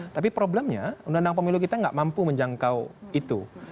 tapi problemnya undang undang pemilu kita nggak mampu menjangkau itu